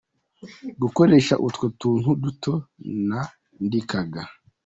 Gukoresha Utwo tuntu duto nandikaga.